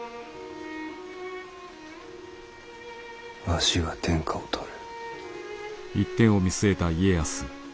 わしが天下を取る。